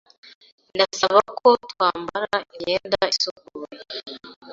Ndasaba ko twambara imyenda isukuye.